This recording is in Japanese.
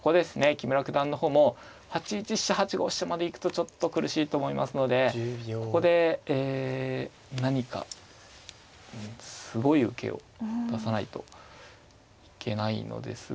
木村九段の方も８一飛車８五飛車まで行くとちょっと苦しいと思いますのでここでえ何かすごい受けを出さないといけないのですが。